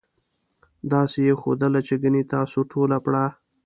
داسې یې ښودله چې ګنې تاسې ټوله پړه.